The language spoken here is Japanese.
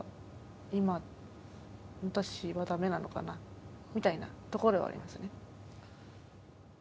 今私はダメなのかなみたいなところではありますね